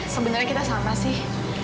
sebenernya kita sama sih